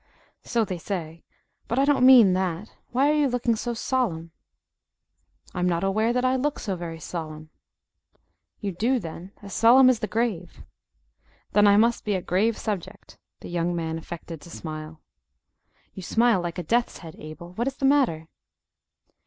"So they say. But I don't mean that. Why are you looking so solemn?" "I am not aware that I look so very solemn." "You do, then, as solemn as the grave." "Then I must be a grave subject." The young man affected to smile. "You smile like a death's head, Abel. What is the matter?"